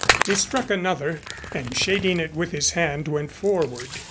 He struck another and shading it with his hand went forward.